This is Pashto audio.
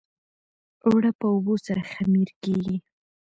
اوړه په اوبو سره خمیر کېږي